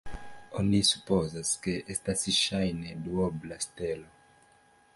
Oni supozas, ke estas ŝajne duobla stelo.